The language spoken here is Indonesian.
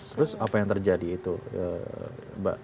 terus apa yang terjadi itu mbak